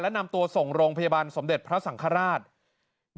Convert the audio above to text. นำตัวส่งโรงพยาบาลสมเด็จพระสังฆราช